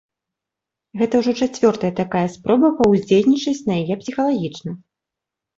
Гэта ўжо чацвёртая такая спроба паўздзейнічаць на яе псіхалагічна.